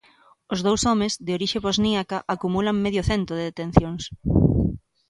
Os dous homes, de orixe bosníaca, acumulan medio cento de detencións.